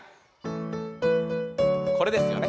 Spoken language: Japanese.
これですよね